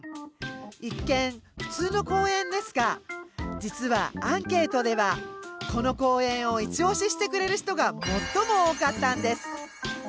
一見普通の公園ですが実はアンケートではこの公園をいちオシしてくれる人が最も多かったんです。